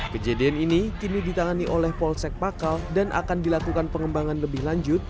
kejadian ini kini ditangani oleh polsek pakal dan akan dilakukan pengembangan lebih lanjut